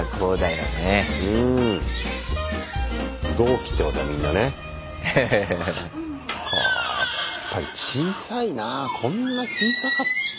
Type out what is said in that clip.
やっぱり小さいなこんな小さかったかな。